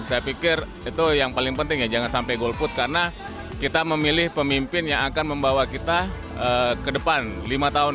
saya pikir itu yang paling penting ya jangan sampai golput karena kita memilih pemimpin yang akan membawa kita ke depan lima tahun